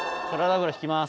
油引きます。